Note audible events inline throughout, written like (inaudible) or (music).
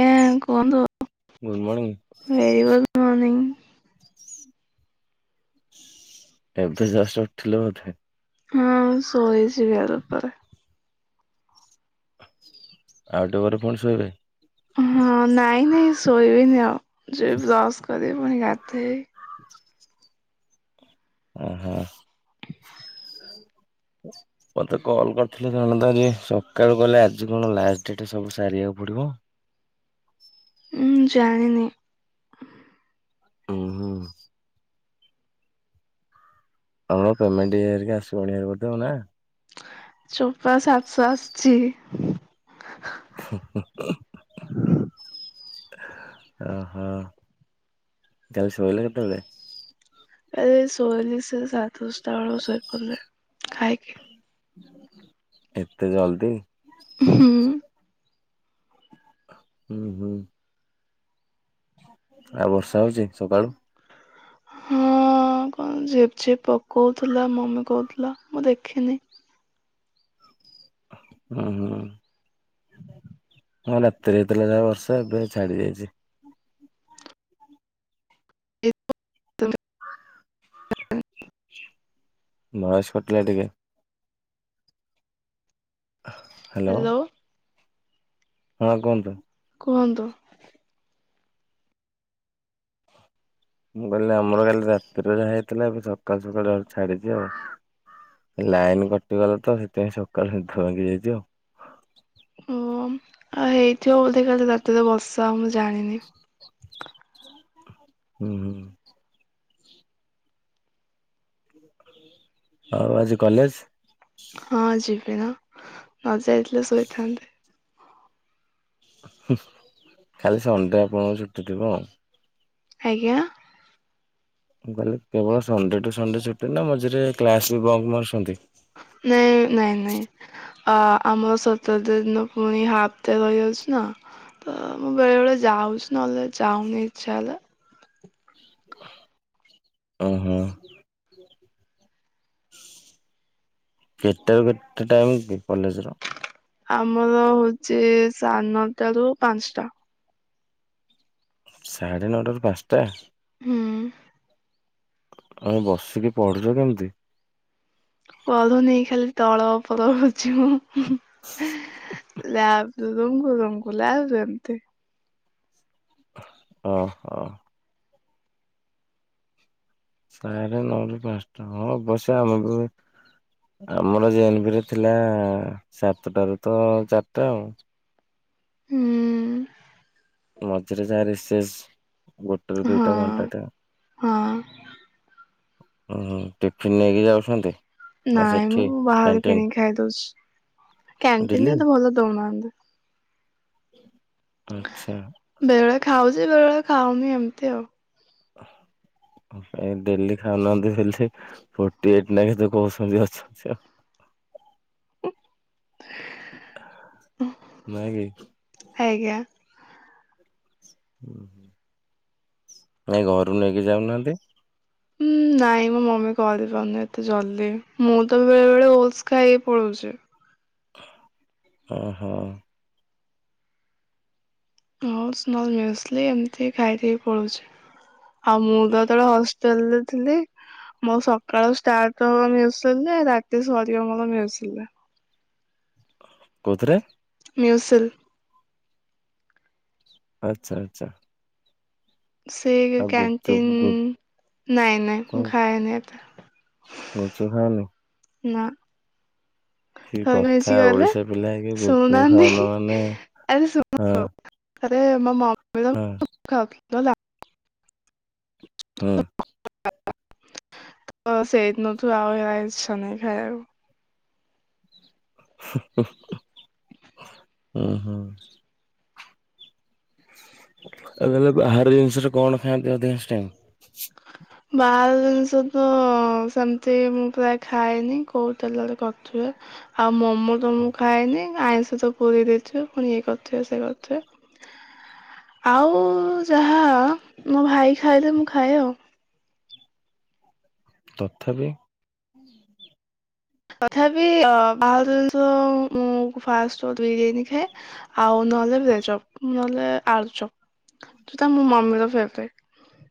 ଜ୍ଞା କୁହନ୍ତୁ? Good morning. Very good morning. ଏମିତି ଯଷ୍ଟ ଉଠଲେ ବୋଧେ। ହଁ ସୋଇଛିି ଗାରା ପରେ ଆଉଟ ଟିକେ ପୁଣି ଶୋଇବେ। ହଁ ନାଇଁ ନାଇଁ ଶୋଇବନି ଆଉ ଯ ବ୍ରସ୍ କରିବି ପୁଣି ଗାଥେଇ ଓ ହୋ। ମତେ କଲ କରିଥିଲେ ଜଣତା ଯେ ସକାଳୁ ଗଲେ ଆଜି କଣ ଲାଷ୍ଟ ଡେଟ ସବୁ ସାରିବାକୁ ପଡ଼ିବ ହଁ ଜାଣିନି। ହୁଁ ହୁଁ। ଆମର ପେମେଣ୍ଟ ଇଏ ହେରିକା ଆସିବଣି ଆକ ନା ଚୋପା ସାତସ ଆସଛି ଓ ହୋ କାଲି ଶୋଇଲ କେତେବେଳେ? ଏ ଶୋଇଲି ସେ ସାଢ଼େ ଦଶଟା ବେଳକୁ ଶୋଇପଡ଼ିଲି ଖାଇକି। ଏତେ ଜଲଦି! ହୁଁ। ହୁଁ ହୁଁ। ଆଉ ବର୍ଷା ହଉଚି ସକାଳୁ ହଁ କଣ ଝିପଝିପ୍ ପକଉଥିଲା ମମି କହୁଥିଲା ମୁଁ ଦେଖିନି ହୁଁ ହୁଁ। ହଁ ରାତିରେ ହେଇଥିଲା ଯାହା ବର୍ଷ, ଏବେ ଛାଡି ଯାଇଛି। (inaudible) ଭଏସ୍ କାଟିଲା ଟିକେ। ହ୍ୟାଲୋ। ହଁ କୁହନ୍ତୁ। କୁହନ୍ତୁ? ମୁଁ କହିଲି, ଆମର କାଲି ରାତିରେ ଯାହା ହେଇଥିଲା, ଏବେ ସକାଳୁ ସକାଳୁ ଛାଡିଛି ଆଉ। ଲାଇନ କଟିଗଲା ତ, ସେଥିପାଇଁ ସକାଳୁ ନିଦ ଭାଙ୍ଗି ଯାଇ ଥିବ । ଓ, ଆଉ ହେଇଥିବ ବୋଧେ କାଲି ରାତିରେ ବର୍ସା। ଆ ମୁଁ ଜାଣିନି। ହ ହୁଁ, ହୁଁ। ଆଉ ଆଜି କଲେଜ? ହଁ ଯିବିନା, ନ ଯାଇଥିଲେ ଶୋଇଥାନ୍ତି । ଖାଲି ସଣ୍ଡେ ଆପଣଙ୍କର ଛୁଟି ଥିବ ଆଉ? ଆଜ୍ଞା। ମୁଁ କହିଲି, କେବଳ ସଣ୍ଡେ ଟୁ ସଣ୍ଡେ ଛୁଟି ନା, ମଝିରେ କ୍ଲାସ ବି ବନ୍ଦ ମାରୁଛନ୍ତି? ନାଇଁ, ନାଇଁ, ନାଇଁ ଆମର ସତର ଦିନ ପୁଣି ହାପ୍ ଡେ ରହିଯାଉଛି ନା ତ, ମୁଁ ବେଳେ, ବେଳେ ଯାଉଛି। ନହେଲେ ଯାଉନି ଇଛା ହେଲେ। ଓହୋ। କେତେ ରୁ କେତେ ଟାଇମ୍ କି କଲେଜ ର? ଆମର ହଉଛି, ସାଢେ ନଅ ଟାରୁ ପାଞ୍ଚଟା। ସାଢ଼େ ନଅଟାରୁ ପାଞ୍ଚଟା। ହୁଁ। ଆରେ ବସିକି ପଢୁଛ କେମିତି? ପଢୁନି ଖାଲି ତଳ ଉପର ହଉଛି ମୁଁ। ଲାବ କୁ ରୁମ୍ କୁ, ରୁମ୍ କୁ ଲାବ ଏମିତି। ଓ, ହ। ସାଢେ ନଅ ରୁ ପାଞ୍ଚଟା ।ହଁ ବର୍ଷା ହବ ବୋଧେ? ଆମର ଜେନ ବିି ରେ ଥିଲା, ସାତଟାରୁ ତ ଚାରିଟା ଆଉ। ହୁଁ। ମଝିରେ ଯା ରିସେସ୍, ଗୋଟେ ରୁ ହଁ ଦିଟା ଘଣ୍ଟା ଟେ। ହଁ ଟିଫିନ ନେଇକି ଯାଉଛନ୍ତି? ନା ନାଇଁ ସେଠି ମୁଁ ବାହାରେ କ୍ୟାଣ୍ଟିନ୍ କିଣିକି ଖାଇଦୋଉଛି। କ୍ୟାଣ୍ଟିନରେ ତ ଭଲ ଦଉନାହାନ୍ତି। ଆଛା। ଦି, ବେବେଳେ ଖାଉନି ଏମିତି ଆଉ। ଓ ଡେଲି ଖାଉନାହାନ୍ତି ଭଲସେ, ଫୋରଟି ଏଇଟ୍ ନା କେତେ କହୁଛନ୍ତି ଅଛନ୍ତି ଆଉ। (inaudible) ନାଇଁ କି? ଆଜ୍ଞା। ଏାଇ ଘରୁ ନେଇକି ଯାଉନାହାନ୍ତି। ହୁଁ ନାଇଁ ମୋ, ମମି କରି ପାରୁନି ଏତେ ଜଲ୍ଦି। ମୁଁ ତ ବେଳେ, ବେଳେ ଓଲସ ଖାଇକି ପଳଉଛି । ଓ ହୋ। ଓସ୍ ନହେଲେ ମ୍ୟୁସିିଲ୍ ଏମିତି ଖାଇ ଦେଇ ପଳଉଛି ।ଆଉ ମୁଁ ତ ଯେତେବେଳେ ହସ ଷ୍ଟେଲ୍ ରେ ଥିଲି ମୋର ସକାଳ ଷ୍ଟାର୍ଟ ହବ ମ୍ୟୁସିିଲ୍ ରେ, ରାତି ସରିବ ମର ମ୍ୟୁସିିଲ୍ ରେ। କଉଥିରେ? ମ୍ୟୁସିିଲ୍। ଆଚ୍ଛା, ଆଚ୍ଛା। ସେଇ ଆଉ ଗୁପଚୁପ୍ କ୍ୟାଣ୍ଟିନ୍ ଗୁପ୍ ନାଇଁ ନାଇଁ ଖାଏନି ଏତେ। ଗୁପୁଚୁପୁ ଖାଅନି? ନା । କି କଥା ଓଡିଶା ପିଲା ହେଇକି ଗୁପୁଚୁପୁ ଶୁଣୁନାହାନ୍ତି ଖାଉନ ମାନେ ଶୁଣ ହଁ। ଆରେ ମୋ ମମି ହଁ ର। (unintelligible) ହୁଁ। ତ ସେଇ ଦିନଠୁ ଆଉ ହେରା ଇଚ୍ଛା ନାହିଁ ଖାଇବାକୁ । (inaudible) (inaudible) ହୁଁ ହୁଁ । ଆଉ ତାହେଲେ ବାହାର ଜିନିଷରେ କଣ ଖାଆନ୍ତି ଅଧିକାଂଶ ଟାଇମି? ବାହାର ଜିନିଷ ତ ସେମିତି ମୁଁ ପ୍ରାୟ ଖାଏନି କୋଉ ତେଲରେ କରୁଥିବେ। ଆଉ ମୋମୋ ତ ମୁଁ ଖାଏନି। ଆଇଁଷ ତ ପୁରେଇ ଦେଇଥିବେ ପୁଣି ଇଏ କରୁଥିବେ ସେ କରୁଥିବେ। ଆଉ ଯାହା ମୋ ଭାଇ ଖାଇଲେ ମୁଁ ଖାଏ ଆଉ । ତଥାପି ତଥାପି ବାହାର ଜିନିଷ ମୁଁ ଫାଷ୍ଟ ଫୁଡ୍ ବିରିୟାନୀ ଖାଏ। ଆଉ ନହେଲେ ଭେଜ୍ ଚପ ନହେଲେ ଆଳୁଚପ ଯୋଉଟା ମୋ ମମିର ଫେବରାଇଟ୍ ।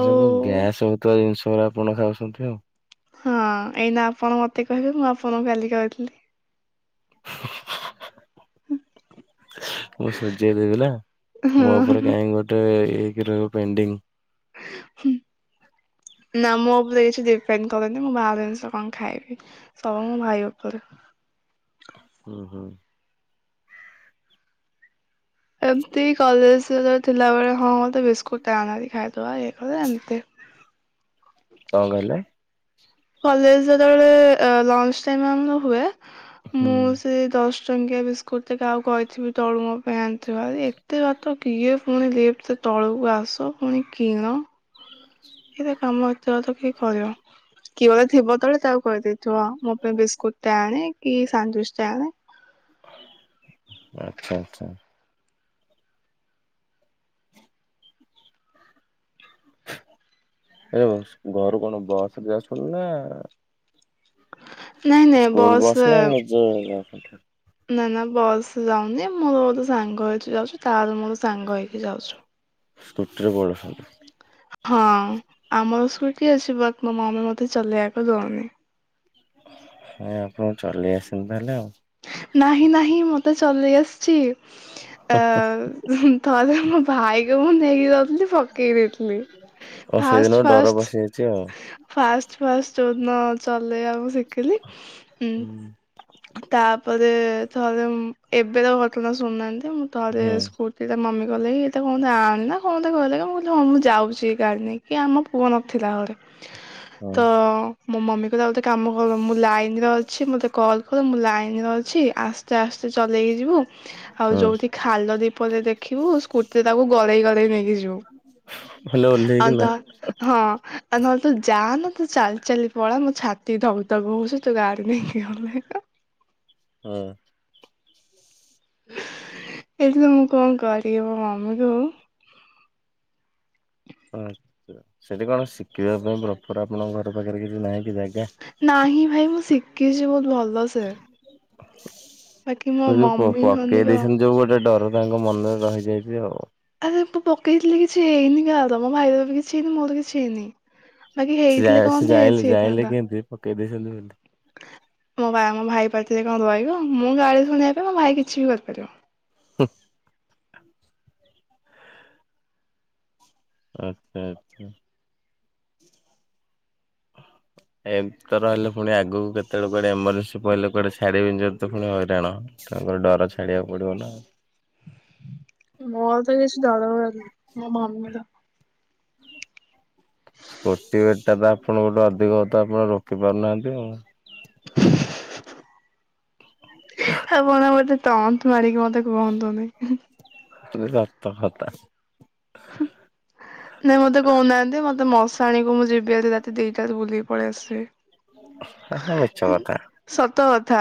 ଏସବୁ ଗ୍ୟାସ ହଉଥିବା ଜିନିଷ ଗୁରା ଆପଣ ଖାଉଛନ୍ତି ଆଉ। ହଁ ଏଇନା ଆପଣ ମତେ କହିବେ ମୁଁ ଆପଣଙ୍କୁ କାଲି କହିଥିଲି। (inaudible) ମୁଁ ସୁଜେଇ ଦେବି ନା ମୋ ହଁ। ଉପରେ କାହିଁକି ଗୋଟେ ହେଇକି ରହିବ ପେଣ୍ଡିଙ୍ଗି। ନା ମୋ ଉପରେ କିଛି ଡିପେଣ୍ଡ କରେନି ମୁଁ ବାହାର ଜିନିଷ କଣ ଖାଇବି। ସବୁ ମୋ ଭାଇ ଉପରେ । (inaudible) ହୁଁ ହୁଁ । ଏମତି କଲେଜରେ ଥିଲାବେଳେ ହଁ ମତେ ବିସ୍କୁଟ ଟେ ଆଣେଭାରି ଖାଇଦବା ଇଏ କରିଦବା ଏମିତି। କଣ କହିଲେ? କଲେଜ ଯେତେବେଳେ ଲଞ୍ଜ୍ ଟାଇମ୍ ଆମର ହୁଏ, ମୁଁ ସେଇ ଦଶ ଟଙ୍କିଆ ବିସ୍କୁଟୁ ଟେ କହାକୁ କହିଥିବି ତଳୁ ମୋ ପାଇଁ ଆଣିଥିବଭାରି। ଏତେ ବାଟ କିଏ ପୁଣି ଲିଫ୍ଟି ରେ ତଳକୁ ଆସ ପୁଣି କିଣ। ଏତେ (unintelligible) କିଏ କହିବ କିଏ ଗୋଟେ ଥିବ ତଳେ ତାକୁ କହିଦେବି। ସୁଣ ମୋ ପାଇଁ ବିସ୍କୁଟୁ ଟେ ଆଣେ କି ସାଣ୍ଡୁଚି ଟେ ଆଣେ। ଆଚ୍ଛା ଆଚ୍ଛା। ଏ ଘରୁ କଣ ବସରେ ଯାଉଛନ୍ତି ନା ନାଇଁ ନାଇଁ ସ୍କୁଲ ବସ୍ ବସ ରେ ନା ନିଜେ ଯାଉଛନ୍ତି? ନା ନା ବସ୍ ଯାଉନି ମୋର ଗୋଟେ ସାଙ୍ଗ ଏଇଠି ରହୁଚି ତା ମୋର ସାଙ୍ଗ ହେଇକି ଯାଉଚୁ। ସ୍କୁଟି ରେ ପଳଉଛନ୍ତି । ହଁ ଆମର ସ୍କୁଟି ଅଛି ।ବଟ୍ ମୋ ମାମି ମତେ ଚଲେଇବାକୁ ଦଉନି । ନାଇଁ ଆପଣ ଚଲେଇ ଆସିନି ତାହେଲେ ଆଉ । ନାହିଁ ନାହିଁ ମତେ ଚଲେଇ ଆସିଛି। ଆ ଥରେ ମୋ ଭାଇକୁ ମୁଁ ନେଇିକି ଯାଉଥିଲି ପକେଇ ଦେଇଥିଲି। ଓ ସେଇଦିନ ଫାଷ୍ଟେ ଡର ପଶିଯାଇଛି ଆଉ। ଫାଷ୍ଟେ ଫାଷ୍ଟେ ଫା ଯଉଦିନ ଚଲେଇବା ମୁଁ ଶିଖିଲି ହୁଁ ତାପରେ ଥରେ ଏବେ ର ଘଟଣା ଶୁଣୁନାହାନ୍ତି। ମୁଁ ଥରେ ହୁଁ ସ୍କୁଟିରେ ମମି ଗଲେକି ମତେ କହନ୍ତି ଆଣେନା ହଁ କହିଲେ କି ମୁଁ କହିଲି ମୁଁ ଯାଉଛି ଗାଡ଼ି ନେଇକି ଆମ ପୁଅ ନଥିଲା ଘରେ। ତ ହୁଁ ମୋ ମମି କହିଲା ଗୋଟେ କାମ କର ମୁଁ ଲାଇନରେ ଅଛି ମତେ କଲ୍ ମୁଁ ଲାଇନ ରେ ଅଛି ଆସ୍ତେ ଆସ୍ତେ ଚଲେଇକି ଯିବୁ ଆଉ ଯୋଉଠି ଖାଲ ଢିପ ଟେ ଦେଖିବୁ ସ୍କୁ ସେ ତାକୁ ଗଡେଇ ଗଡେଇ ନେଇକି ଯିବୁ। ହେଲେ ଆଉ ଓହ୍ଲେଇକିନା ତ ହଁ ଆ ନହେଲେ ତୁ ଯାଆନା ତୁ ଚାଲି ଚାଲି ପଳା। ମୋ ଛାତି ଧକଧକ ହଉଛି। ତୁ ଗାଡି ନେଇକି ହଁ ନାହିଁ ତ ହଁ। ଏଇଠି ତ ମୁଁ କଣ କରି ମୋ ମମି ଯୋଉ ଆଚ୍ଛା ସେଠି କଣ ଶିଖିବା ପାଇଁ ପ୍ରପର୍ ଆପଣଙ୍କ ଘର ପାଖରେ କିଛି ନାହିଁ? କି ଜାଗା? ନାହିଁ ଭାଇ ମୁଁ ଶିଖିଚି ବହୁତ ଭଲ ସେ। ତ ଯୋଉ ପ-ପକେଇ ହନିକ ଦେଇଛନ୍ତି ଯୋଉ ଗୋଟେ ଡର ତାଙ୍କ ମନରେ ରହିଯାଇଚି ଆଉ। ଆରେ ମୁୁଁ ପକେଇଥିଲି କିଛି ହେଇନି କାହାର। ମୋ ଭାଇର ବି କିଛି ହେଇନି ମୋର କିଛି ହେଇନି। ବାକି ସେ ଜା ହେଇଥିଲେ ସେ କହନ୍ତି ଜାଣିଲେ ବେଶି ଜାଣିଲେ ହେଇଥାନ୍ତା। କେମିତି ପକେଇ ଦେଇଛନ୍ତି ବୋଲି ମୋ ବା- ମୋ ଭାଇ ପାଖରେ କଣ ରହିବ। ମୁଁ ଗାଳି ଶୁଣିବା ପାଇଁ ମୋ ଭାଇ କିଛି ବି କରିପାରିବ। ହୁଁ। ଆଚ୍ଛା, ଆଚ୍ଛା। ହୋ ଏମତି ରହିଲେ ପୁଣି ଆଗକୁ କେତେବେଳେ କୁଆଡେ ଏମର୍ଜେନ୍ସି ପଇଲେ କୁଆଡେ ଛାଡିବେନି ଯଦି ତ ପୁଣି ହଇରାଣ। ତାଙ୍କର ଡର ଛାଡିବାକୁ ପଡିବନା। ମୋର ତ କିଛି ଡର ଡୁରା କିଛି, ମୋ ମମିର ସ୍କୁଟି ବେଟ୍ ଟା ତ ଆପଣଙ୍କ ଠୁ ଅଧିକ ହ ତ ଆପଣ ରୋକି ପାରୁନାହାନ୍ତି ଆଉ। ଆଉ କଣ ମୋତେ ତଣ୍ଟ ମାରିକି ମୋତେ ସେ କୁହନ୍ତୁନି। ଖାଲି ଗାତ ଫାତ। ନାଇଁ ମୋତେ କହୁନାହାନ୍ତି ମୋତେ ମଶାଣିକୁ ମୁଁ ଯିବି ଭାରି ରାତି ଦିଟାରେ ବୁଲିବି। ପଳି ଆସେ। ହେ ମିଛ ଏନ୍ କଥା ସତ କଥା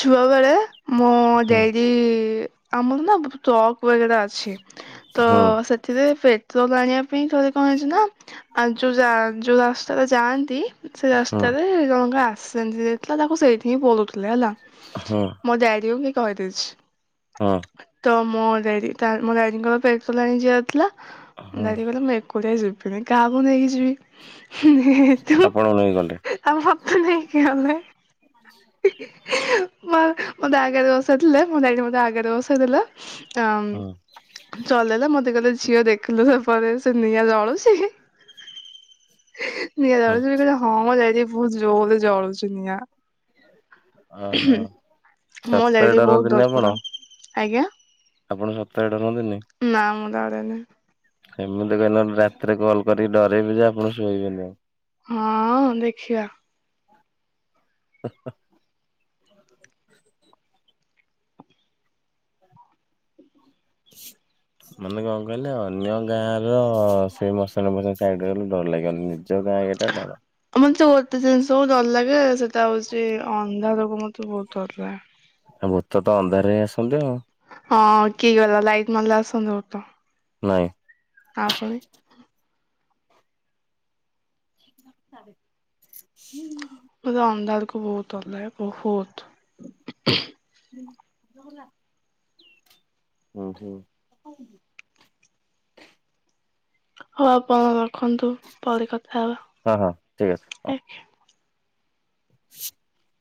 ଛୁଆ ବେଳେ ମୋ ହୁଁ ଦେଡି ଏ, ଆମର ନା ଭୋ-ଟକ୍ ବଗେରା ଅଛି। ତ ହୁଁ ସେଥିରେ ପେଟ୍ରୋଲ୍ ଆଣିବା ପାଇଁ ଥରେ କଣ ହେଇଚି ନା ଆଉ ଯୋଉ ଯା ଯୋଉ ରାସ୍ତାରେ ଯାଆନ୍ତି ସେ ହୁଁ ରାସ୍ତାରେ ଜଣଙ୍କା ଆସିଜେନ୍ ହେଇଯାଇଥିଲା। ତାକୁ ସେଇଠି ହିଁ ପୋଡୁ ଥି ଲେ, ହେଲା ହୁଁ। ମୋ ଡାଡି କୁ କହିଦେଇଛି। ହଁ। ତ ମୋ ଡାଡି ତା ମୋ ଡାଡିଙ୍କର ପେଟଲ ଆଣି ଯିବାର ଥିଲା ହଁ ।ଡାଡି କହିଲେ ମୁଁ ଏକୁ କୋଉଠାକେ ଯିବିନି। କାହାକୁୁ ନେଇକି ଯିବି? ହୁଁ, ହେ, ହେ ତୁ ମ ଆପଣଙ୍କୁ ନେଇ ଗଲେ ଆମ (unintelligible) ତ ନେଇକି ଆମେ ମା ମୋତେ ଆଗରେ ବସେଇଥିଲେ। ମୋ ଡାଡି ମୋତେ ଆଗରେ ବସେଇଦେଲେ। ହଁ ଚାମ, ଚଲେଇଲା ମୋତେ କହିଲେ ଯା ଝିଅ ଦେଖିଲୁ ସେପଟେ ସେ ନିଆଁ ଜଳୁଛି। ନିଆଁ ହଁ ଜଳୁଚି ବି କହିଚ, ହଁ ମୋ ସେଇଠି ଭୁତ ଜୋରେ ଜଳୁଛି ନିଆଁ। ହୁଁ, ଓହୋ। ମୋ ସତରେ ଡାଡି ବହୁତ ଡରନ୍ତିନି ଆପଣ ଡରକୁରା। ଆଜ୍ଞା ଆପଣ ସତରେ ଡରନ୍ତିନି? ନା ମୁଁ ଡରେନି। ସେମିତି କହିଲ ରାତିରେ କଲ୍ କରିକି ଡରେଇବି ଯେ ଆପଣ ଶୋଇବେନି ଆଉ। ହଁ ଦେଖିବା। ହୋ, ହୋ। ହ (unintelligible) ମାନେ କଣ କହିଲେ ଅନ୍ୟ ଗାଁ ର ସେ ମଶାଣି ଫଶାଣି ସାଇଡ ଗଲେ ଡର ଲାଗିବନି। ନି ଜ ଗାଁ କେଟା ଡର। ତ ଜିନିଷ କୁ ଡର ଲାଗେ ସେଟା ହଉଚି ଅନ୍ଧାରକୁ ମୋତେ ବହୁତ ଡର ଲା ଆଉ ଭୂତ ତ ଅନ୍ଧାରରେ ହିଁ ଆସନ୍ତି ଆଉ। ହଁ କିଏ କହିଲା ଲାଇଟ ମାରିଲେ ଆସନ୍ତି ଭୁତ। ନାଇଁ। ଆ ପୁଣି ହୁଁ। ଖୁ-କହୁତ ଡର ଲାଗେ ବହୁତ। (inaudible) ହେଲା। ହୁଁ ହୁଁ । ହଁ ଅପା ରଖନ୍ତୁ, ପରେ କଥା ହଁ ହଁ ଠିକ୍ ଅଛି। ହେବା । (unintelligible)